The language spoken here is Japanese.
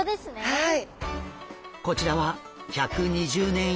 はい。